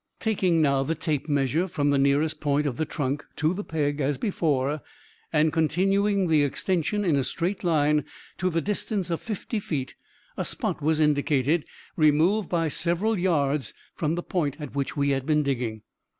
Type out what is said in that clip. Taking, now, the tape measure from the nearest point of the trunk to the peg, as before, and continuing the extension in a straight line to the distance of fifty feet, a spot was indicated, removed, by several yards, from the point at which we had been digging.